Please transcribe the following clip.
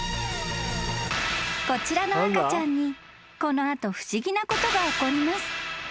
［こちらの赤ちゃんにこの後不思議なことが起こります］